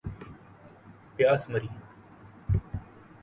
پیاس مری